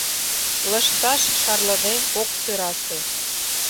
Лышташ шарлыде ок сӧрасе.